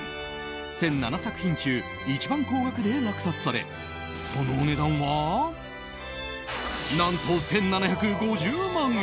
１００７作品中一番高額で落札されそのお値段は何と１７５０万円。